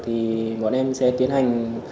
thì bọn em sẽ tiến hành